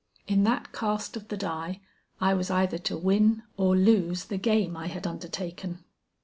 In that cast of the die I was either to win or lose the game I had undertaken.